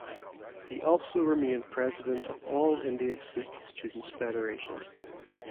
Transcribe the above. He also remained the President of All India Sikh Students Federation.